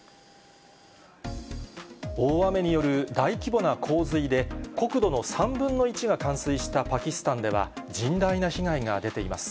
大雨による大規模な洪水で、国土の３分の１が冠水したパキスタンでは、甚大な被害が出ています。